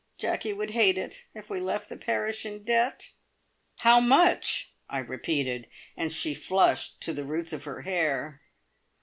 Jacky would hate it, if we left the parish in debt." "How much?" I repeated, and she flushed to the roots of her hair.